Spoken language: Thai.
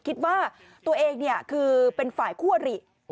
คิดว่าตัวเองเนี่ยคือเป็นฝ่ายคั่วหรี่